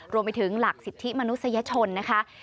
รวมไปถึงหลักสิทธิมนุษยชนนะคะ